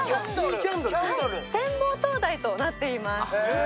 展望灯台となっています。